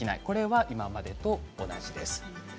これは今までと同じです。